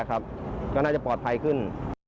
ก็น่าจะปลอดภัยขึ้น